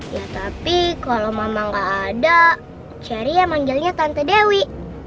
ya tapi kalau mama gak ada cari ya manggilnya tante dewi